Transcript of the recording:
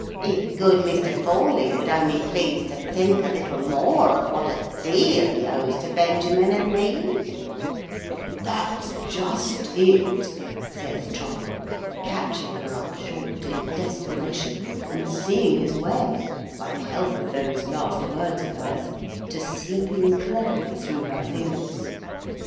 If good Mr. Forley would only please to think a little more of what a deal he owes to Benjamin and me—" "That's just it," says Trottle, catching her up short in desperation, and seeing his way, by the help of those last words of hers, to slipping cleverly through her fingers.